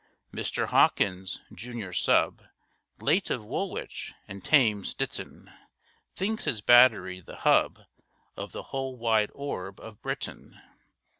Mr. Hawkins, Junior Sub., Late of Woolwich and Thames Ditton, Thinks his battery the hub Of the whole wide orb of Britain.